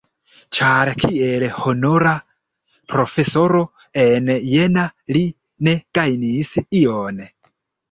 Ĉar kiel honora profesoro en Jena li ne gajnis ion!